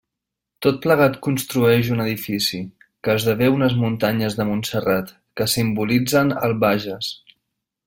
Tot plegat construeix un edifici, que esdevé unes muntanyes de Montserrat, que simbolitzen el Bages.